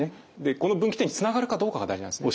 この分岐点につながるかどうかが大事なんですね。